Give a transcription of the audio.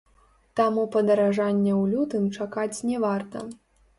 Таму падаражання ў лютым чакаць не варта.